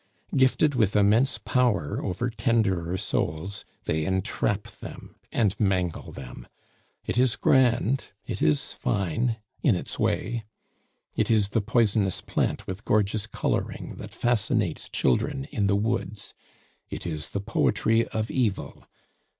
Gifted with immense power over tenderer souls, they entrap them and mangle them. It is grand, it is fine in its way. It is the poisonous plant with gorgeous coloring that fascinates children in the woods. It is the poetry of evil.